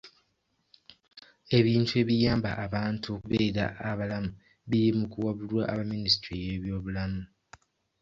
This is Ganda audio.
Ebintu ebiyamba abantu okubeera abalamu biri mu kuwabulwa aba minisitule y'ebyobulamu.